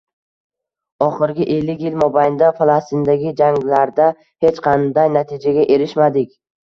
Oxirgi ellik yil mobaynida Falastindagi janglarda hech qanday natijaga erishmadik